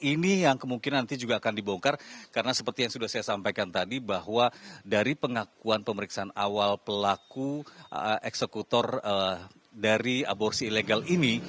ini yang kemungkinan nanti juga akan dibongkar karena seperti yang sudah saya sampaikan tadi bahwa dari pengakuan pemeriksaan awal pelaku eksekutor dari aborsi ilegal ini